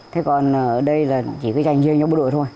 thế còn ở đây là chỉ phải dành riêng cho bộ đội thôi